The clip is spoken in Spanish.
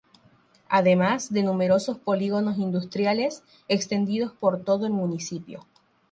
Además de numerosos Polígonos Industriales extendidos por todo el municipio.